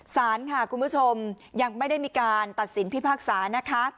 สารค่ะคุณผู้ชมยังไม่ได้มีการตัดสินพิพากษานะคะ